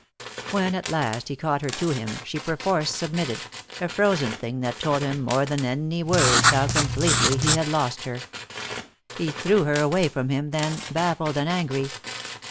When at last he caught her to him she perforce submitted, a frozen thing that told him, more than any words, how completely he had lost her. He threw her away from him, then, baffled and angry.